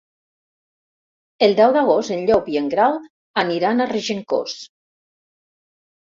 El deu d'agost en Llop i en Grau aniran a Regencós.